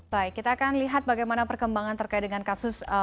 baik kita akan lihat bagaimana perkembangan terkait dengan kasus